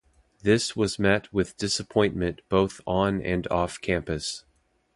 This was met with disappointment both on and off campus.